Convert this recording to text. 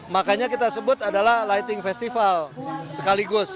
makanya kita sebut adalah lighting festival sekaligus